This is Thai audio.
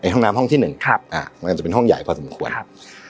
ห้องน้ำห้องที่หนึ่งครับอ่ามันอาจจะเป็นห้องใหญ่พอสมควรครับ